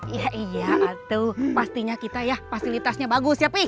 iya iya tuh pastinya kita ya fasilitasnya bagus ya pi